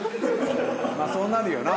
まあそうなるよな。